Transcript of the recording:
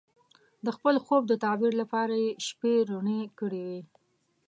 د خپل خوب د تعبیر لپاره یې شپې روڼې کړې وې.